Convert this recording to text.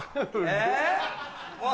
えっ？